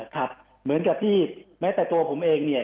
ครับเหมือนกับที่แม้แต่ตัวผมเองเนี่ย